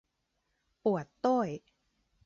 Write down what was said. ปวดโต้ย !